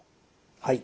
はい。